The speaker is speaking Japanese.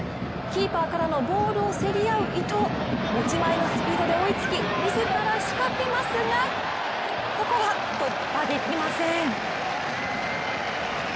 キーパーからのボールを競り合う伊東、持ち前のスピードで追いつき自ら仕掛けますがここは突破できません。